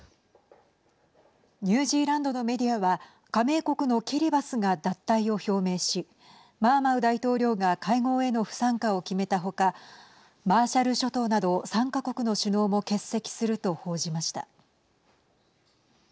ニュージーランドのメディアは加盟国のキリバスが脱退を表明しマーマウ大統領が会合への不参加を決めたほかマーシャル諸島など３か国の首脳も欠席すると報じました。